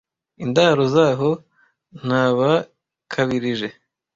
Indaro zaho ntabakabirije,